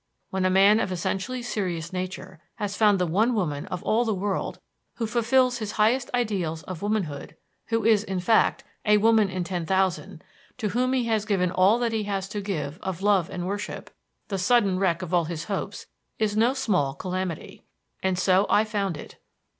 When a man of essentially serious nature has found the one woman of all the world who fulfils his highest ideals of womanhood, who is, in fact, a woman in ten thousand, to whom he has given all that he has to give of love and worship, the sudden wreck of all his hopes is no small calamity. And so I found it.